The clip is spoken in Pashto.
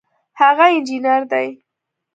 هغه انجینر دی